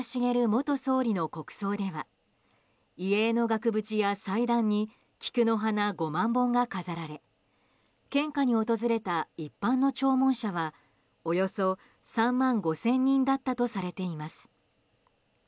元総理の国葬では遺影の額縁や祭壇に菊の花５万本が飾られ献花に訪れた一般の弔問者はおよそ３万５０００人だったとされています。